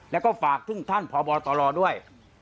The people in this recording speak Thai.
แล้วก็ฝากถึงท่านพบตรด้วย